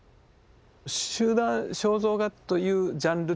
集団肖像画というジャンルっていうか